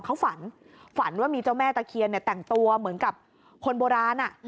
เขาฝันฝันว่ามีเจ้าแม่ตะเคียนเนี่ยแต่งตัวเหมือนกับคนโบราณ